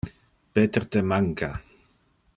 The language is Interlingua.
Peter te manca.